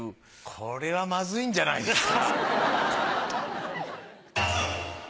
これはまずいんじゃないですか？